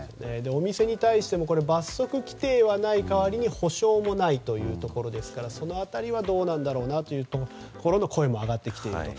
お店に対しても罰則規定がない代わりに補償もないというところですからその辺りはどうなんだろうという声も上がってきていると。